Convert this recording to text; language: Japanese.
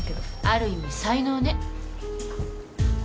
ある意味才能ね。